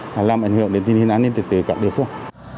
và làm ảnh hưởng đến tình hình an ninh trực tự các địa phương